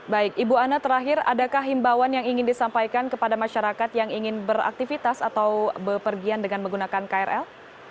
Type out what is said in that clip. baik ibu anne terakhir adakah himbawan yang ingin disampaikan kepada masyarakat yang ingin beraktivitas atau bepergian dengan menggunakan krl